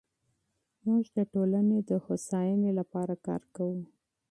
موږ د ټولنې د هوساینې لپاره کار کوو.